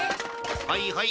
はいはい。